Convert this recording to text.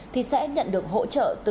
thì sẽ nhận được hỗ trợ từ năm trăm linh